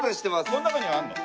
この中にはあるの？